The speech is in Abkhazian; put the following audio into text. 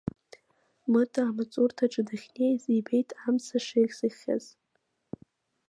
Мыта амаҵурҭаҿы дахьнеиз ибеит амца шеихсыӷьхьаз.